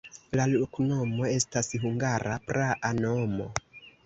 La loknomo estas hungara praa nomo.